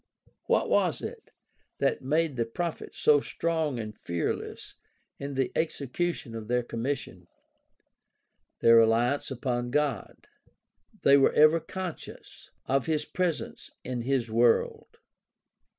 What was it that made the prophets so strong and fearless in the execution of their commission ? Their reliance upon God. They were ever conscious of his presence in his world.